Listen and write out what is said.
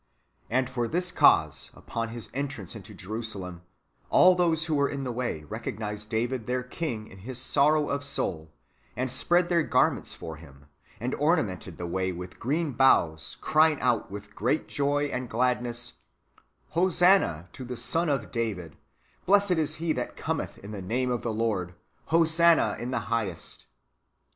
" And for this cause, upon His entrance into Jerusalem, all those who were in the \vay ^ recognised David their king in His sorrow of soul, and spread their garments for Him, and ornamented the way "vvith green boughs, crying out with great joy and gladness, " Hosanna to the Son of David ; blessed is He that cometh in the name of the Lord : hosanna in the hio; liest."